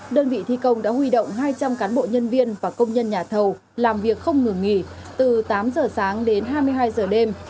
đơn vị thi công đã huy động hai trăm linh cán bộ nhân viên và công nhân nhà thầu làm việc không ngừng nghỉ từ tám giờ sáng đến hai mươi hai giờ đêm